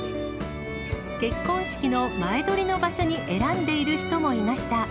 結婚式の前撮りの場所に選んでいる人もいました。